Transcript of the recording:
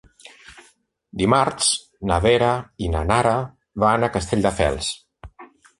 Dimarts na Vera i na Nara van a Castelldefels.